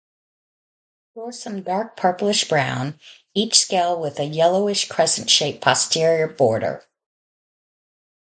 Dorsum dark purplish brown, each scale with a yellowish crescent-shaped posterior border.